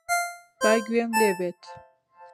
با گوێم لێ بێت.